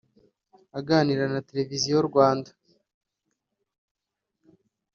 Aganina na Televiziyo Rwanda